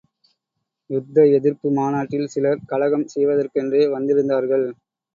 யுத்த எதிர்ப்பு மாநாட்டில் சிலர், கலகம் செய்வதற்கென்றே வந்திருந்தார்கள்.